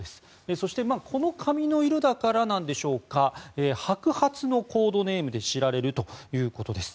そしてこの髪の色だからなんでしょうか白髪のコードネームで知られるということです。